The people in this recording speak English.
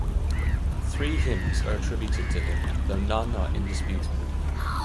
Three hymns are attributed to him, though none are indisputable.